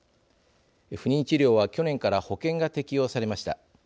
不妊治療は去年から保険が適用されました。